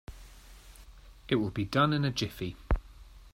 It will be done in a jiffy.